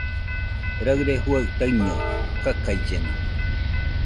Rɨire juaɨ taiño kakaillena